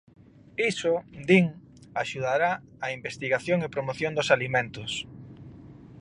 Iso, din, axudará á investigación e promoción dos alimentos.